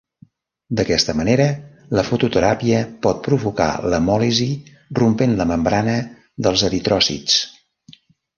D'aquesta manera la fototeràpia pot provocar l'hemòlisi rompent la membrana dels eritròcits.